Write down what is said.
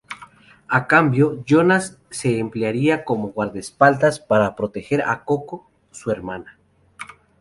A cambio, Jonás se emplearía como guardaespaldas para proteger a Koko, su hermana.